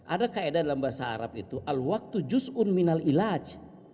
ada kaedah dalam bahasa arab itu al waktu jusun minal ilaj